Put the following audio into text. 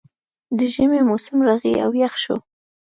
د ژمي موسم راغی او یخ شو